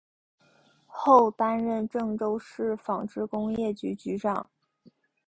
后担任郑州市纺织工业局局长。